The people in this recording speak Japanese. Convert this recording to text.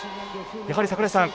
やはり櫻井さん